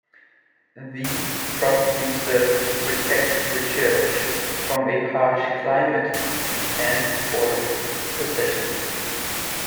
These probably served to protect the church from a harsh climate, and for processions.